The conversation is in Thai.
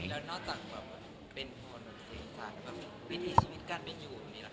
แล้วนอกจากเป็นคนอีสานวิธีชีวิตกั้นเป็นอยู่ตรงนี้หรือเปล่า